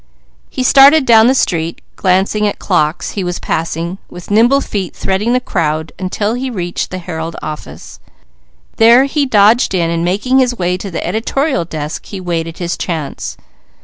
He started down the street glancing at clocks he was passing, with nimble feet threading the crowds until he reached the Herald office; there he dodged in and making his way to the editorial desk he waited his chance.